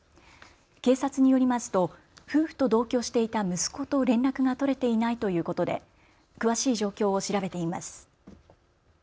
警察によりますと夫婦と同居していた息子と連絡が取れていないということで詳しい状況を調べています。